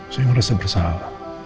saya ngerasa bersalah